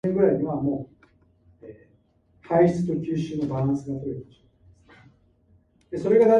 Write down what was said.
His colleague was Rabbi Yona Metzger, the former Ashkenazi Chief Rabbi of Israel.